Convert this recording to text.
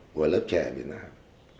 của lớp trung tâm